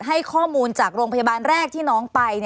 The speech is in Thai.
ให้ข้อมูลจากโรงพยาบาลแรกที่น้องไป